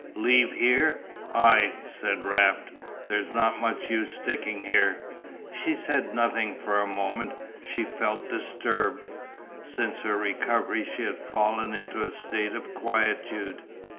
"Leave here?" "Ay," said Raft, "there's not much use sticking here." She said nothing for a moment, she felt disturbed. Since her recovery she had fallen into a state of quietude.